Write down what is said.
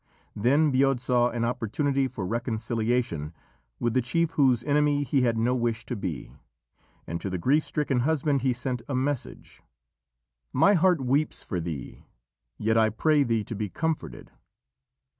Then Bodb saw an opportunity for reconciliation with the chief whose enemy he had no wish to be. And to the grief stricken husband he sent a message: "My heart weeps for thee, yet I pray thee to be comforted.